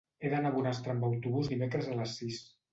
He d'anar a Bonastre amb autobús dimecres a les sis.